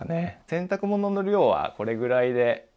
洗濯物の量はこれぐらいで。